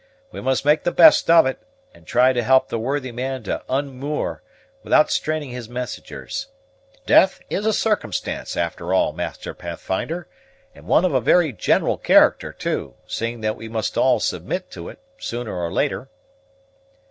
We must make the best of it, and try to help the worthy man to unmoor, without straining his messengers. Death is a circumstance, after all, Master Pathfinder, and one of a very general character too, seeing that we must all submit to it, sooner or later."